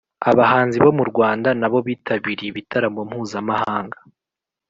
Abahanzi bo mu urwanda nabo bitabiriye ibitaramo mpuzamahanga